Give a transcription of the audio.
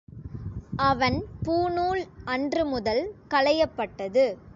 அவன் பூணுால் அன்று முதல் களையப்பட்டது.